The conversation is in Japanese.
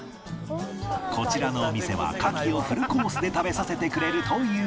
こちらのお店は牡蠣をフルコースで食べさせてくれるという